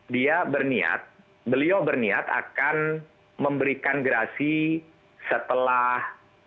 dia berniat beliau berniat akan memberikan gerasi setelah